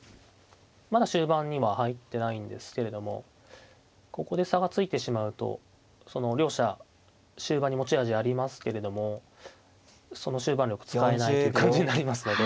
まだ終盤には入ってないんですけれどもここで差がついてしまうとその両者終盤に持ち味ありますけれどもその終盤力使えないという感じになりますので。